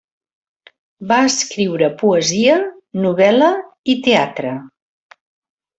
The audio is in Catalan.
Va escriure poesia, novel·la i teatre.